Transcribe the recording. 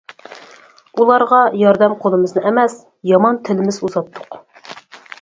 ئۇلارغا ياردەم قولىمىزنى ئەمەس، يامان تىلىمىز ئۇزاتتۇق.